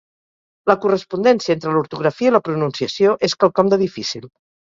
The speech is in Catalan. La correspondència entre l'ortografia i la pronunciació és quelcom de difícil.